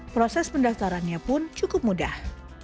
proses pendaftarannya pun cukup mudah